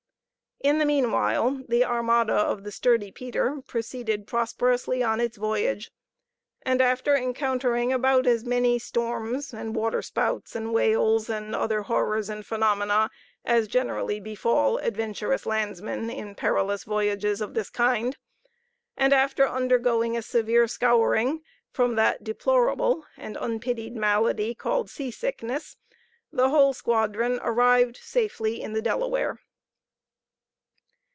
In the meanwhile the armada of the sturdy Peter proceeded prosperously on its voyage, and after encountering about as many storms, and waterspouts, and whales, and other horrors and phenomena, as generally befall adventurous landsmen in perilous voyages of the kind; and after undergoing a severe scouring from that deplorable and unpitied malady, called sea sickness, the whole squadron arrived safely in the Delaware.